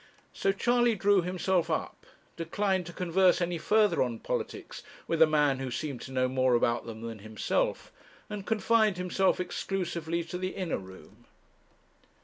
So Charley drew himself up, declined to converse any further on politics with a man who seemed to know more about them than himself, and confined himself exclusively to the inner room.